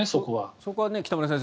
そこは北村先生